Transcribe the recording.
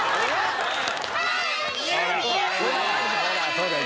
そうだよ。